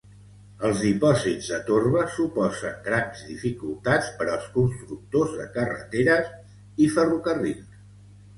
Els dipòsits de torba suposen grans dificultats per als constructors de carreteres i ferrocarrils.